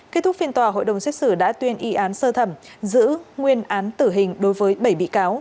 kết thúc phiên tòa hội đồng xét xử đã tuyên y án sơ thẩm giữ nguyên án tử hình đối với bảy bị cáo